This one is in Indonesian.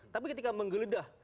tapi ketika menggeledah